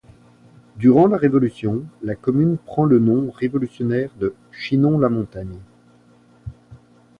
Durant la Révolution, la commune prend le nom révolutionnaire de Chinon-la-Montagne.